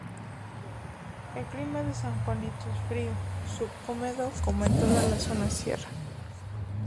El clima de San Juanito es frío sub-húmedo como en toda la zona sierra.